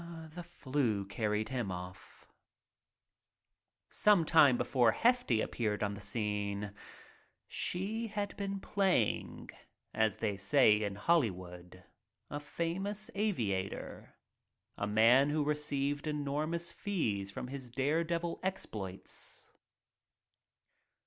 The flu carried him off. ■■~ ■j* A MOVIE QUEEN 71 Sometime before Hefty appeared on the scene she had been "playing" — as they say in Hollywood — a famous aviator, a man who received enormous fees for his dare devil exploits.